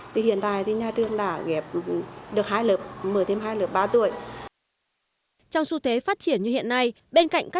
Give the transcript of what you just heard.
bên cạnh các trường mầm non bắc hà